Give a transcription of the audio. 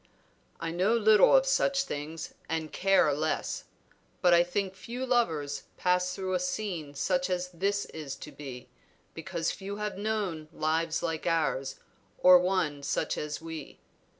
"I know little of such things and care less; but I think few lovers pass through a scene such as this is to be, because few have known lives like ours, or one such as we.